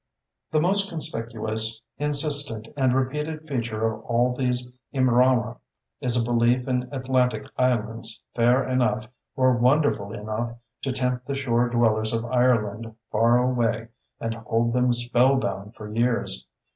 The most conspicuous, insistent, and repeated feature of all these Imrama is a belief in Atlantic islands fair enough or wonderful enough to tempt the shore dwellers of Ireland far away and hold them spell bound for years.